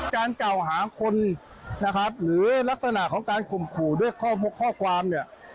การกล่าวหาคนนะครับหรือลักษณะของการข่มขู่ด้วยข้อความเนี่ย